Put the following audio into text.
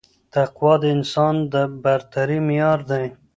تقوا د انسان د برترۍ معیار دی